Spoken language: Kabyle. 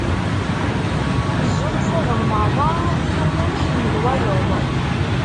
Zzunfuḍen merra, yiwen ur iḥemmel wayeḍ.